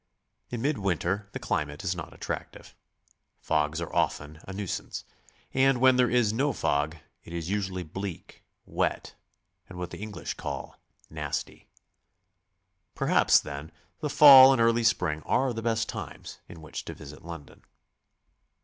In mid winter the climate is not attractive. Fogs are often a nuisance, and when there is no fog, it is usually bleak, wet, and what the English call nasty. Perhaps, then, the fall and early spring are the best times in which to visit London.